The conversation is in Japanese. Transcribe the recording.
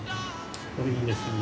これいいですよね。